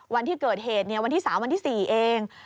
วันที่เกิดเหตุวันที่๓วันที่๔เอง